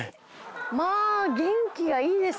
まあ元気がいいですね！